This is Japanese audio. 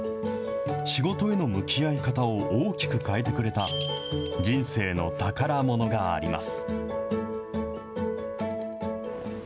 仕事への向き合い方を大きく変えてくれた、人生の宝ものがあります。